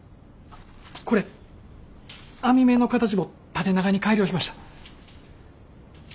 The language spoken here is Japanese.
これ網目の形も縦長に改良しました。